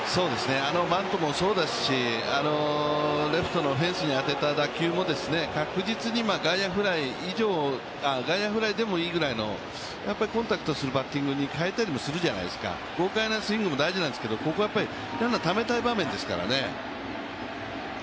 あのバントもそうですしレフトのフェンスに当てた打球も確実に外野フライでもいいぐらいの、コンタクトするバッティングに変えたりもするじゃないですか、豪快なスイングも大事なんですけど、ここはランナーをためたい場面ですからね。